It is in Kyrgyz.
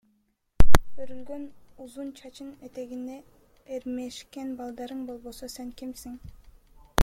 Өрүлгөн узун чачың, этегиңе эрмешкен балдарың болбосо сен кимсиң?